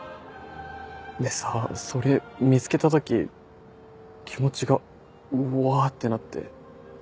でさそれ見つけた時気持ちがうわってなって。